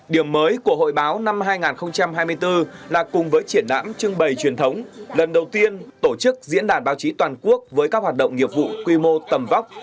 điểm mới của hội báo năm hai nghìn hai mươi bốn là cùng với triển lãm trưng bày truyền thống lần đầu tiên tổ chức diễn đàn báo chí toàn quốc với các hoạt động nghiệp vụ quy mô tầm vóc